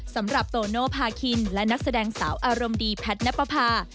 สำหรับโตโนภาคินและนักแสดงสาวอารมณ์ดีแพทย์นับประพา